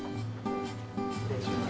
失礼します。